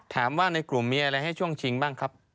ถามว่าในกลุ่มมีอะไรให้ช่วงชิงบ้างครับ